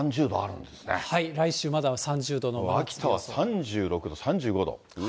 これ、はい、秋田は３６度、３５度。